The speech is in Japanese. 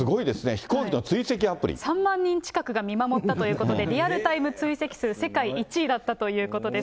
飛行機の追跡３万人近くが見守ったということで、リアルタイム追跡数、世界１位だったということです。